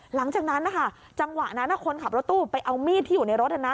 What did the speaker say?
หลังจากนั้นนะคะจังหวะนั้นคนขับรถตู้ไปเอามีดที่อยู่ในรถนะ